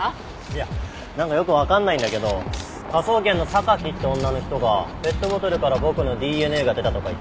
いやなんかよくわかんないんだけど科捜研の榊って女の人がペットボトルから僕のＤＮＡが出たとか言って。